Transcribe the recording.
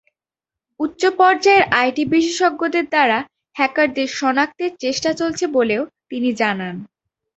উচ্চ পর্যায়ের আইটি বিশেষজ্ঞদের দ্বারা হ্যাকারদের শনাক্তের চেষ্টা চলছে বলেও তিনি জানান।